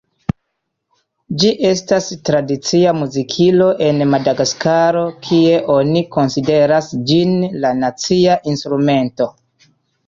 Ĝi estas tradicia muzikilo en Madagaskaro, kie oni konsideras ĝin "la nacia instrumento".